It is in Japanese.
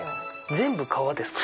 全部革ですか？